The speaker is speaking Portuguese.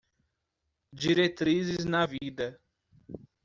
Diretrizes na vida